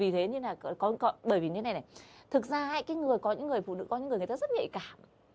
thực ra có những người phụ nữ rất nhạy cảm